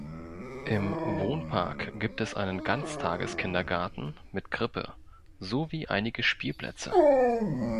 Im Wohnpark gibt es einen Ganztages-Kindergarten mit Krippe sowie einige Spielplätze.